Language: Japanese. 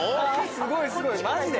すごいすごいマジで？